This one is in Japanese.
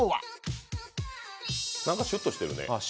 何かシュッとしてるね。